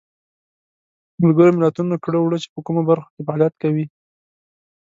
ملګرو ملتونو کړه وړه چې په کومو برخو کې فعالیت کوي.